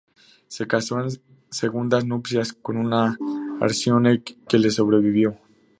Se casó en segundas nupcias con una Arsínoe, que le sobrevivió.